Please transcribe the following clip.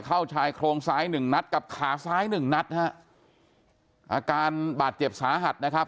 ชายโครงซ้ายหนึ่งนัดกับขาซ้ายหนึ่งนัดฮะอาการบาดเจ็บสาหัสนะครับ